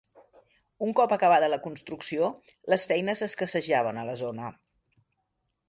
Un cop acabada la construcció, les feines escassejaven a la zona.